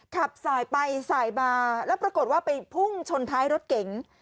ขับสายไปสายมาแล้วปรากฏว่าไปพุ่งชนท้ายรถเก๋ง